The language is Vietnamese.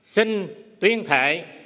xin tuyên thệ